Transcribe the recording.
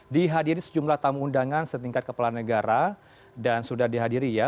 dihadiri sejumlah tamu undangan setingkat kepala negara dan sudah dihadiri ya